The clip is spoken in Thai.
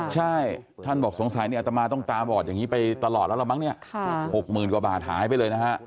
ใช่ท่านบอกสงสัยอัตมาต้องตาบอดอย่างนี้